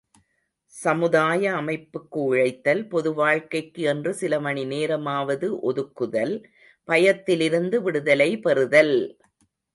சமுதாய அமைப்புக்கு உழைத்தல், பொதுவாழ்க்கைக்கு என்று சில மணி நேரமாவது ஒதுக்குதல், பயத்திலிருந்து விடுதலை பெறுதல்!